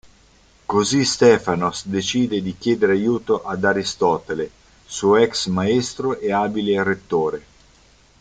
Così Stefanos decide di chiedere aiuto ad Aristotele, suo ex maestro e abile retore.